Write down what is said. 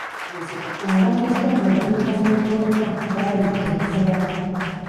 Abayigga mu bumenyi bw'amateeka baayigga enkula.